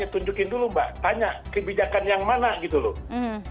tunjukin dulu mbak tanya kebijakan yang mana gitu loh